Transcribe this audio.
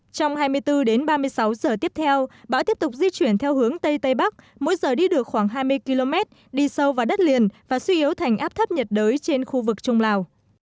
trong hai mươi bốn đến ba mươi sáu giờ tiếp theo bão tiếp tục di chuyển theo hướng tây tây bắc mỗi giờ đi được khoảng hai mươi km đi sâu vào đất liền và suy yếu thành áp thấp nhiệt đới trên khu vực trung lào